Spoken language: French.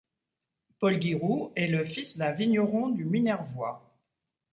Paul Guiraud est le fils d'un vigneron du Minervois.